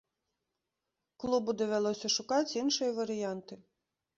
Клубу давялося шукаць іншыя варыянты.